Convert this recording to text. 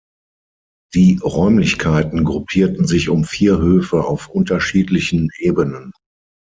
Die Räumlichkeiten gruppierten sich um vier Höfe auf unterschiedlichen Ebenen.